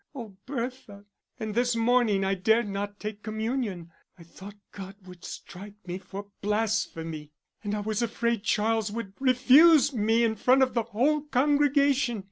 Oh Bertha, and this morning I dared not take communion, I thought God would strike me for blasphemy. And I was afraid Charles would refuse me in front of the whole congregation....